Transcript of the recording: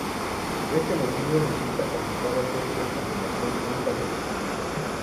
Por este motivo, resulta complicado hacer una compilación única de sus escritos.